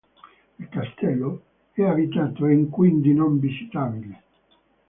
Il castello è abitato e quindi non visitabile.